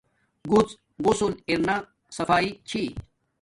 گڎ غسل ارنا صفایݵ چھی